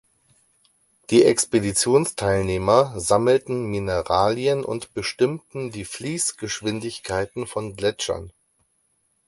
Die Expeditionsteilnehmer sammelten Mineralien und bestimmten die Fließgeschwindigkeiten von Gletschern.